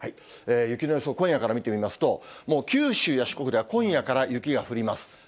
雪の予想、今夜から見てみますと、もう九州や四国では今夜から雪が降ります。